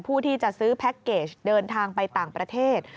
ผู้ที่จะซื้อแพ็คเกจเดินทางไปต่างประเทศ